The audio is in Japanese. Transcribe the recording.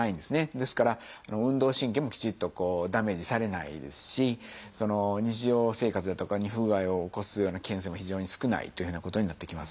ですから運動神経もきちっとダメージされないですし日常生活だとかに不具合を起こすようなケースも非常に少ないというふうなことになってきます。